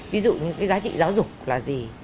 ví dụ như cái giá trị giáo dục là gì